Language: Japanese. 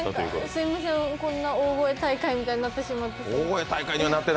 すみません、こんな大声大会みたいになってしまって。